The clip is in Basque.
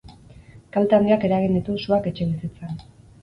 Kalte handiak eragin ditu suak etxebizitzan.